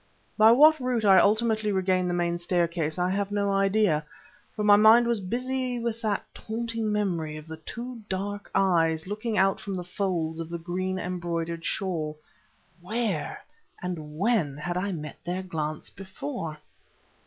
By what route I ultimately regained the main staircase I have no idea; for my mind was busy with that taunting memory of the two dark eyes looking out from the folds of the green embroidered shawl. Where, and when, had I met their glance before?